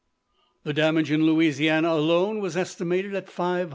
The damage in Louisiana alone was estimated at $500,000.